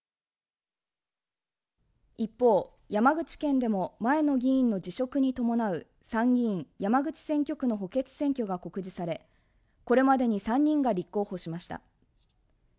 一方、山口県でも前の議員の辞職に伴う参議院山口選挙区の補欠選挙が告示され、これまでに３人が立候補しました。